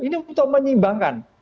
ini untuk menyeimbangkan